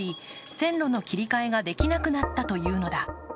線路の切り替えができなくなったというのだ。